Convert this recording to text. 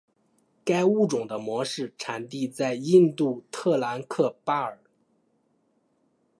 该物种的模式产地在印度特兰克巴尔。